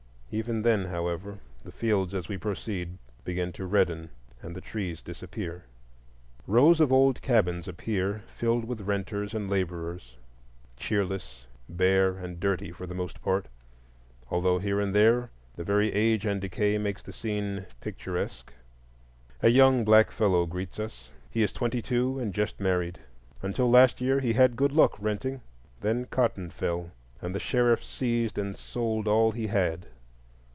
Even then, however, the fields, as we proceed, begin to redden and the trees disappear. Rows of old cabins appear filled with renters and laborers,—cheerless, bare, and dirty, for the most part, although here and there the very age and decay makes the scene picturesque. A young black fellow greets us. He is twenty two, and just married. Until last year he had good luck renting; then cotton fell, and the sheriff seized and sold all he had.